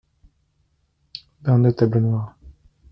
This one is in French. Vingt-deux tables noires.